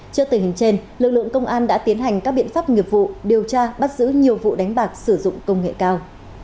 trước tình hình trên lực lượng công an đã tiến hành các biện pháp nghiệp vụ điều tra bắt giữ nhiều vụ đánh bạc sử dụng công nghệ cao